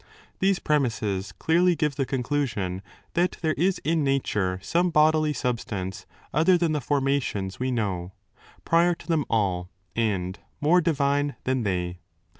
30 These premises clearly give the conclusion that there is in nature some bodily substance other than the formations we know, prior to them all and more divine than they.